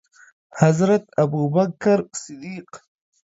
حضرت ابوبکر صدیق